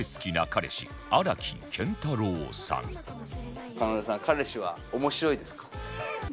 彼女さん彼氏は面白いですか？